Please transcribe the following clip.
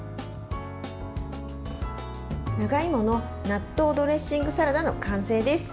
長芋の納豆ドレッシングサラダの完成です。